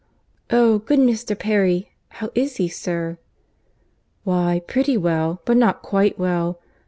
"Oh! good Mr. Perry—how is he, sir?" "Why, pretty well; but not quite well.